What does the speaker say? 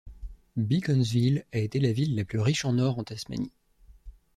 Beaconsfield a été la ville la plus riche en or en Tasmanie.